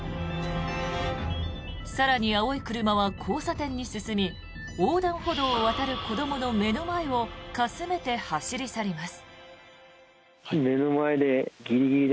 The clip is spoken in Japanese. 更に青い車は交差点に進み横断歩道を渡る子どもの目の前をかすめて走り去ります。